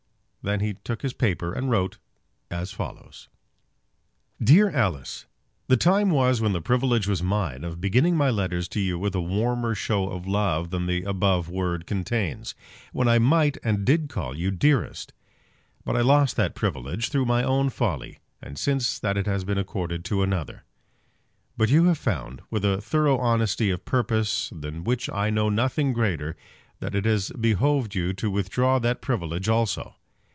Then he took his paper, and wrote as follows: DEAR ALICE, The time was when the privilege was mine of beginning my letters to you with a warmer show of love than the above word contains, when I might and did call you dearest; but I lost that privilege through my own folly, and since that it has been accorded to another. But you have found, with a thorough honesty of purpose than which I know nothing greater, that it has behoved you to withdraw that privilege also.